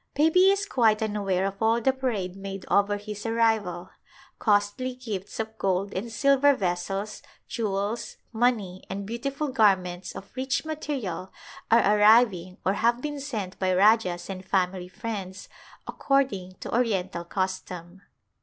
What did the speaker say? Baby is quite unaware of all the parade made over his arrival. Costly gifts of gold and silver vessels, jewels, money, and beautiful garments of rich material are arriving or have been sent by rajahs and family friends, according to orien tal custom.